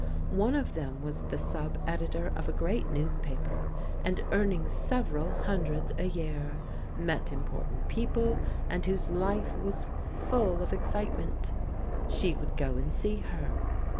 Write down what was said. One of them was the sub editor of a g^eat newspaper, and earning several hundreds a year, met important people, and whose life was full of excite cnent She would go and see her.